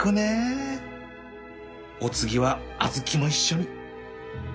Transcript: お次は小豆も一緒に